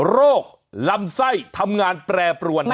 โรคลำไส้ทำงานแปรปรวน